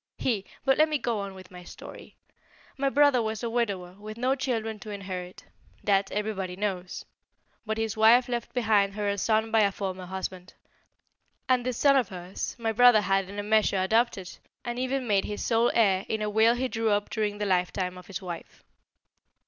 He but let me go on with my story. My brother was a widower, with no children to inherit. That everybody knows. But his wife left behind her a son by a former husband, and this son of hers my brother had in a measure adopted, and even made his sole heir in a will he drew up during the lifetime of his wife.